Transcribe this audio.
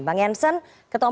bang janssen ketemu